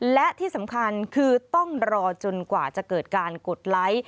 และที่สำคัญคือต้องรอจนกว่าจะเกิดการกดไลค์